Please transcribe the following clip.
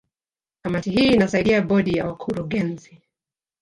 Kamati hii inasaidia Bodi ya Wakurugenzi